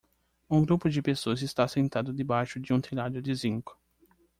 Um grupo de pessoas está sentado debaixo de um telhado de zinco.